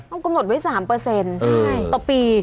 ต้องกำหนดไว้๓ต่อปี